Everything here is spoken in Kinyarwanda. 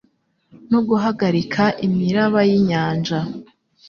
no guhagarika imiraba y'inyanja ?